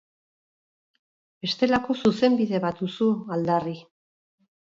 Bestelako Zuzenbide bat duzu aldarri.